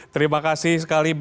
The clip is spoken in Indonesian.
terima kasih sekali bu